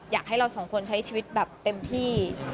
อยากให้เราสองคนใช้ชีวิตแบบเต็มที่